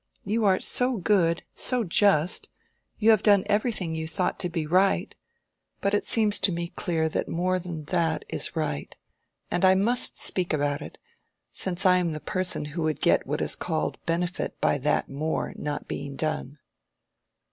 You are so good, so just—you have done everything you thought to be right. But it seems to me clear that more than that is right; and I must speak about it, since I am the person who would get what is called benefit by that 'more' not being done."